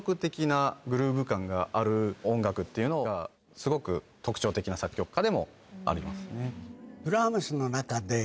がある音楽っていうのがすごく特徴的な作曲家でもありますね。